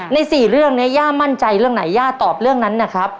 ๔เรื่องนี้ย่ามั่นใจเรื่องไหนย่าตอบเรื่องนั้นนะครับ